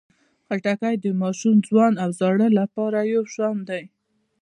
خټکی د ماشوم، ځوان او زاړه لپاره یو شان ده.